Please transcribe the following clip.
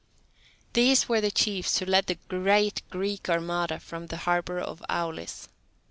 These were the chiefs who led the great Greek armada from the harbour of Aulis.